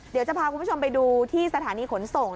เดี๋ยวจะพาคุณผู้ชมไปดูที่สถานีขนส่ง